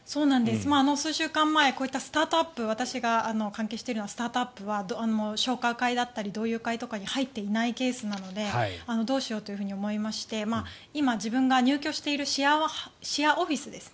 数週間前にこういったスタートアップ私が関係しているようなスタートアップは商工会だったり同友会に入っていないケースなのでどうしようと思いまして今、自分が入居しているシェアオフィスですね